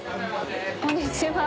こんにちは。